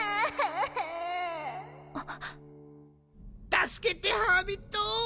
助けてハーミット！